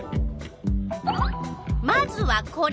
まずはこれ。